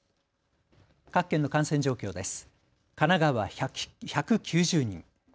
各県の感染状況です。